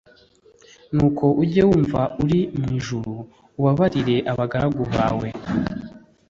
nuko ujye wumva uri mu ijuru ubabarire abagaragu bawe